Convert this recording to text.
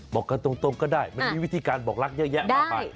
บอกกันตรงก็ได้มันมีวิธีการบอกรักเยอะแยะมากมาย